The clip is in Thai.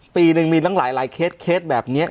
ปีนึงมีหลังหลายเคสแบบนี้